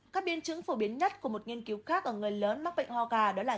các biên chứng phổ biến nhất của một nghiên cứu khác ở người lớn mắc bệnh ho gà đó là